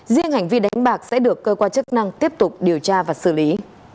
riêng hành vi đánh bạc sẽ được cơ quan chức năng tiếp tục điều tra và xử lý